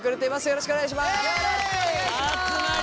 よろしくお願いします。